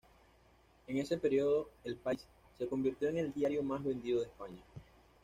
En ese periodo, "El País" se convirtió en el diario más vendido de España.